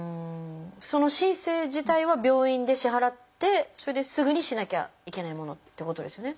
その申請自体は病院で支払ってそれですぐにしなきゃいけないものっていうことですよね。